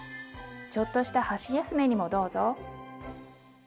ちょっとした箸休めにもどうぞ。